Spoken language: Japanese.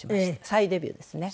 再デビューですね。